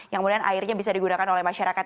yang kemudian airnya bisa digunakan oleh masyarakat